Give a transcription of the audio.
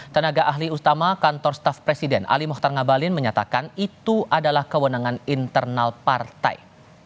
tenaga ahli utama kantor staff presiden ali mohtar ngabalin menyatakan itu adalah kewenangan internal partai